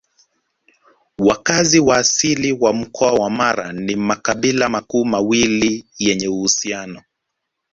Wakazi wa asili wa Mkoa wa Mara ni makabila makuu mawili yenye uhusiano